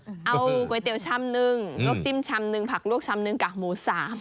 เอาก๋วยเตี๋ยวชามนึงลวกจิ้มชำหนึ่งผักลวกชามหนึ่งกากหมูสาม